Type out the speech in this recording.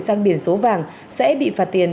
sang biển số vàng sẽ bị phạt tiền